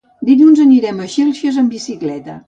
Dilluns anirem a Xilxes amb bicicleta.